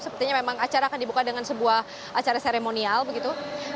sepertinya memang acara akan dibuka dengan sebuah acara seremonial begitu